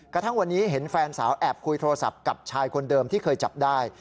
กระทั่งวันนี้เห็นแฟนสาวแอบคุยโทรศัพท์กับชายคนเดิมที่เคยจับได้